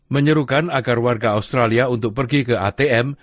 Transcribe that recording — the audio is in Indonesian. menyerukan agar warga australia untuk pergi ke atm